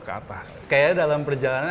ke atas kayaknya dalam perjalanan